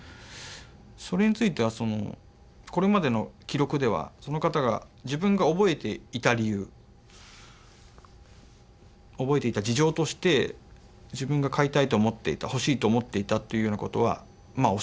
それについてはこれまでの記録ではその方が自分が覚えていた理由覚えていた事情として自分が買いたいと思っていた欲しいと思っていたというようなことはおっしゃらなかったので。